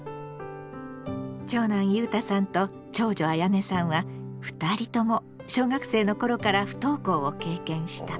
長男ゆうたさんと長女あやねさんは２人とも小学生の頃から不登校を経験した。